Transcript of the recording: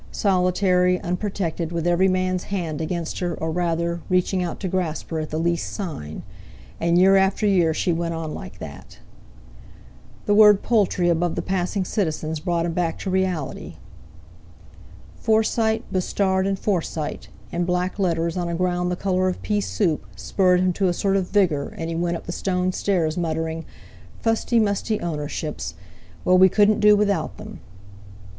Solitary, unprotected, with every man's hand against her or rather—reaching out to grasp her at the least sign. And year after year she went on like that! The word "Poultry" above the passing citizens brought him back to reality. "Forsyte, Bustard and Forsyte," in black letters on a ground the colour of peasoup, spurred him to a sort of vigour, and he went up the stone stairs muttering: "Fusty musty ownerships! Well, we couldn't do without them!"